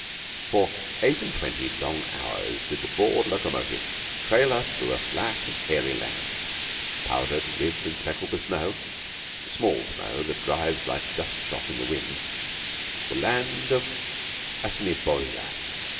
For eight and twenty long hours did the bored locomotive trail us through a flat and hairy land, powdered, ribbed, and speckled with snow, small snow that drives like dust shot in the wind the land of Assiniboia.